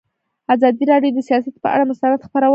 ازادي راډیو د سیاست پر اړه مستند خپرونه چمتو کړې.